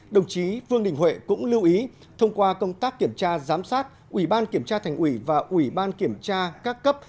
đồng chí vương đình huệ cũng lưu ý thông qua công tác kiểm tra giám sát ủy ban kiểm tra thành ủy và ủy ban kiểm tra các cấp